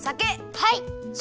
はい。